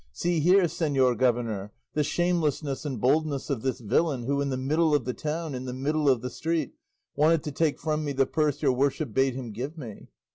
see here, señor governor, the shamelessness and boldness of this villain, who in the middle of the town, in the middle of the street, wanted to take from me the purse your worship bade him give me."